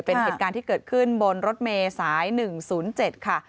เป็นเหตุการณ์ที่เกิดขึ้นบนรถเมย์สาย๑๐๗ค่ะ